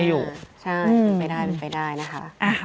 เป็นไปได้นะคะ